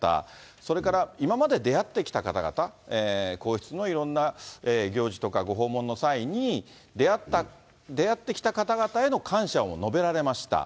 それから、今まで出会ってきた方々、皇室のいろんな行事とか、ご訪問の際に、出会ってきた方々への感謝を述べられました。